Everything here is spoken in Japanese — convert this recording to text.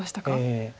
ええ。